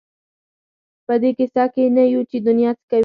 په دې کيسه کې نه یو چې دنیا څه کوي.